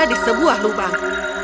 di sebuah lubang